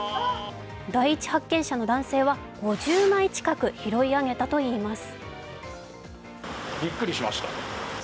第一発見者の男性は５０枚近く拾い上げたといいます。